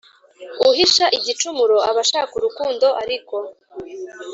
Uhisha igicumuro aba ashaka urukundo Ariko